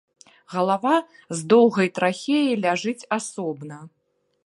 Галава з даўгой трахеяй ляжыць асобна.